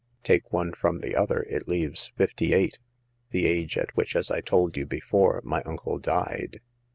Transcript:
Take one from the other, it leaves fifty eight, the age at which, as I told you before, my uncle died.